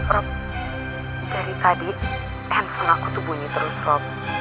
rob dari tadi handphone aku tuh bunyi terus rob